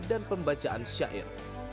dan pembacaan syair